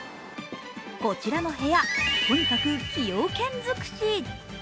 こちらの部屋、とにかく崎陽軒尽くし。